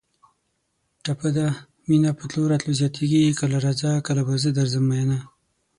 ټپه ده: مینه په تلو راتلو زیاتېږي کله راځه کله به زه درځم مینه